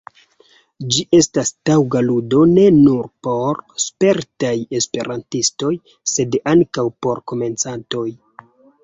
Ĝi estas taŭga ludo ne nur por spertaj esperantistoj, sed ankaŭ por komencantoj.